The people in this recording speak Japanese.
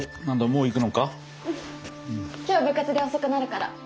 うん今日部活で遅くなるから。